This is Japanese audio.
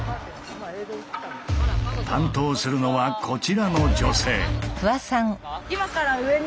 担当するのはこちらの女性。